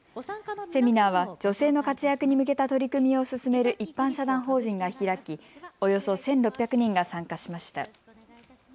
セミナーは女性の活躍に向けた取り組みを進める一般社団法人が開きおよそ１６００人が参加しました。